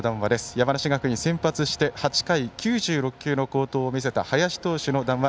山梨学院、先発をして８回９６球の好投を見せた林投手の談話